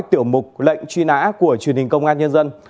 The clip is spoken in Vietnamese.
tiểu mục lệnh truy nã của truyền hình công an nhân dân